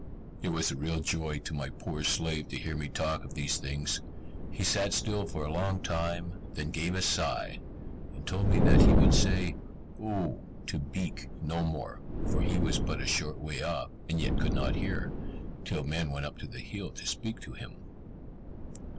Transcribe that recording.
It was a real joy to my poor slave to hear me talk of these things. He sat still for a long time, then gave a sigh, and told me that he would say "O" to Beek no more, for he was but a short way off, and yet could not hear, till men went up the hill to speak to him.